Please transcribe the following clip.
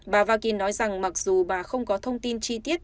bà vaking nói rằng mặc dù bà không có thông tin chi tiết